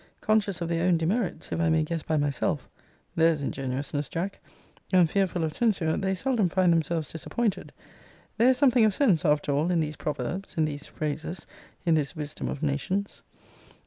Conscious of their own demerits, if I may guess by myself, [There's ingenuousness, Jack!] and fearful of censure, they seldom find themselves disappointed. There is something of sense, after all in these proverbs, in these phrases, in this wisdom of nations.